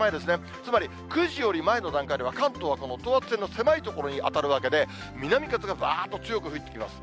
つまり、９時より前の段階では関東はこの等圧線の狭い所に当たるわけで、南風がばーっと強く吹いてきます。